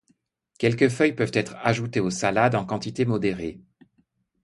Quelques feuilles peuvent être ajoutées aux salades en quantité modérée.